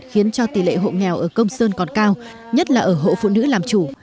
khiến cho tỷ lệ hộ nghèo ở công sơn còn cao nhất là ở hộ phụ nữ làm chủ